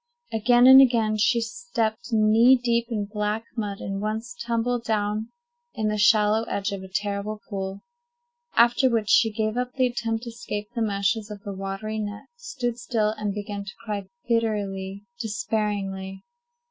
Again and again she stepped knee deep in black mud, and once tumbled down in the shallow edge of a terrible pool; after which she gave up the attempt to escape the meshes of the watery net, stood still, and began to cry bitterly, despairingly.